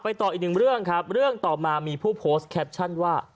ต่ออีกหนึ่งเรื่องครับเรื่องต่อมามีผู้โพสต์แคปชั่นว่า